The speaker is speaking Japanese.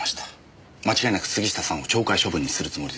間違いなく杉下さんを懲戒処分にするつもりです。